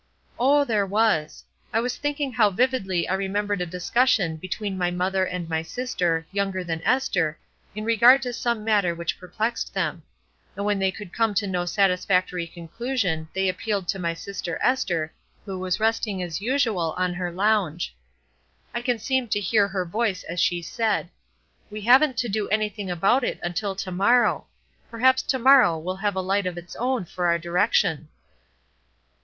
"Oh, there was; I was thinking how vividly I remembered a discussion between my mother and my sister, younger than Ester, in regard to some matter which perplexed them; and when they could come to no satisfactory conclusion they appealed to my sister Ester, who was resting as usual on her lounge. I can seem to hear her voice as she said: 'We haven't to do anything about it until to morrow; perhaps to morrow will have a light of its own for our direction."